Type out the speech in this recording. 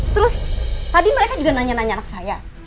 terus tadi mereka juga nanya nanya anak saya